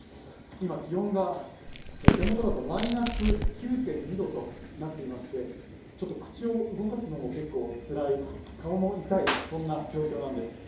今、気温が手元だとマイナス９．２度となっていましてちょっと口を動かすのも結構つらい、顔も痛いという状態なんです。